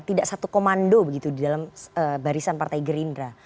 tidak satu komando begitu di dalam barisan partai gerindra